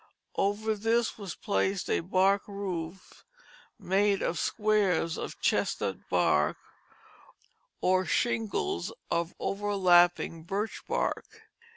Over this was placed a bark roof, made of squares of chestnut bark, or shingles of overlapping birch bark.